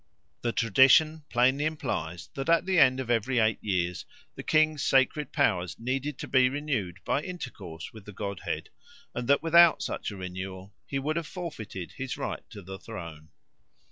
The tradition plainly implies that at the end of every eight years the king's sacred powers needed to be renewed by intercourse with the godhead, and that without such a renewal he would have forfeited his right to the throne.